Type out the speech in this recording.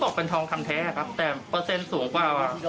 เขาบอกเป็นทองคำแท้ครับแต่โปรเซตสูงกว่า๙๖๕